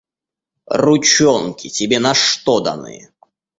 Ручонки тебе на что даны?